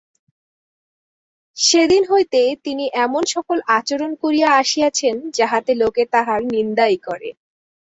সেদিন হইতে তিনি এমন-সকল আচরণ করিয়া আসিয়াছেন যাহাতে লোকে তাঁহার নিন্দাই করে।